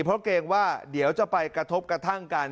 เพราะเกรงว่าเดี๋ยวจะไปกระทบกระทั่งกัน